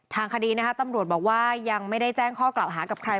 ทางคดีนะคะตำรวจบอกว่ายังไม่ได้แจ้งข้อกล่าวหากับใคร